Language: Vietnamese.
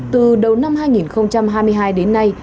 từ đầu năm hai nghìn hai mươi hai đến nay